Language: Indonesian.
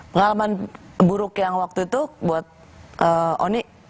pengalaman buruk yang waktu itu buat oni